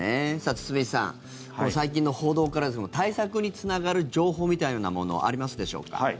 堤さん、この最近の報道から対策につながる情報みたいなものありますでしょうか。